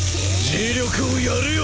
磁力をやるよ。